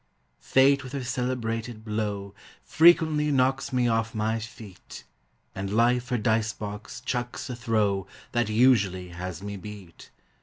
Fate with her celebrated blow Frequently knocks me off my feet; And Life her dice box chucks a throw That usually has me beat.